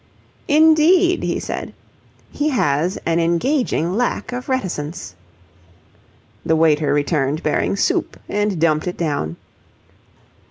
"Indeed?" he said. "He has an engaging lack of reticence." The waiter returned bearing soup and dumped it down.